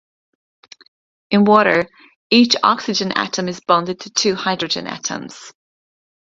In water, each oxygen atom is bonded to two hydrogen atoms.